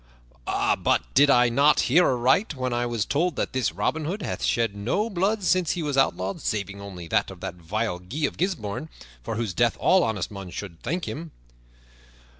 "But did I not hear aright when I was told that this Robin Hood hath shed no blood since he was outlawed, saving only that of that vile Guy of Gisbourne, for whose death all honest men should thank him?"